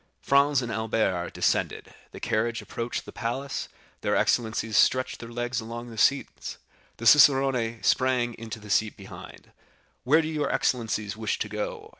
Franz and Albert descended, the carriage approached the palace; their excellencies stretched their legs along the seats; the cicerone sprang into the seat behind. "Where do your excellencies wish to go?"